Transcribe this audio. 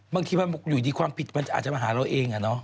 บางทีบ้างอยู่ที่ความผิดมันอาจจะมาหาเราเองอะเนาะ